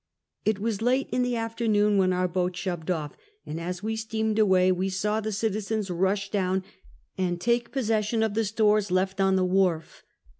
It was late in the afternoon when our boat shoved off, and as we steamed away we saw the citizens rush down and take posses^. 346 Half a Centuey. sion of the stores left on the wharf.